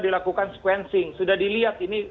dilakukan sequencing sudah dilihat ini